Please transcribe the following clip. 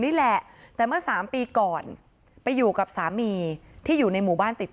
นี่แหละแต่เมื่อสามปีก่อนไปอยู่กับสามีที่อยู่ในหมู่บ้านติด